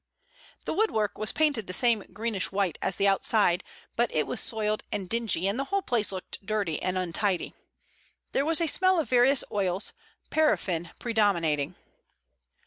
The woodwork was painted the same greenish white as the outside, but it was soiled and dingy, and the whole place looked dirty and untidy. There was a smell of various oils, paraffin predominating.